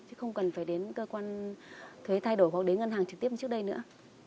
chứ không cần phải đến cơ quan thuế thay đổi hoặc đến ngân hàng trực tiếp như trước đây nữa